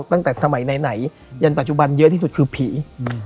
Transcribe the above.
ตั้งแต่สมัยไหนยันปัจจุบันเยอะที่สุดคือผี